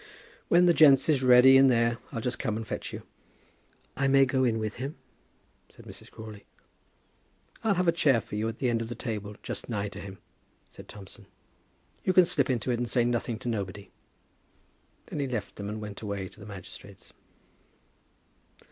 "When the gents is ready in there, I'll just come and fetch you." "I may go in with him?" said Mrs. Crawley. "I'll have a chair for you at the end of the table, just nigh to him," said Thompson. "You can slip into it and say nothing to nobody." Then he left them and went away to the magistrates.